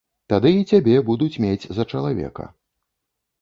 Тады і цябе будуць мець за чалавека.